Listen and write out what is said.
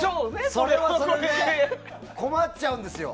それはそれで困っちゃうんですよ。